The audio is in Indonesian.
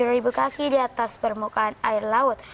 dua puluh ribu kaki di atas permukaan air laut